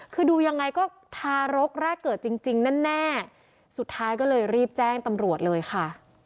คือดูยังไงก็ทารกแรกเกิดจริงแน่สุดท้ายก็เลยรีบแจ้งตำรวจเลยค่ะ